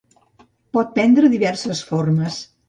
Pot prendre diverses formes.